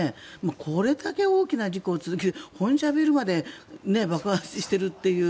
これだけ大きな事故を続けて本社ビルまで爆発してるって